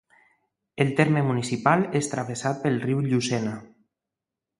El terme municipal és travessat pel riu Llucena.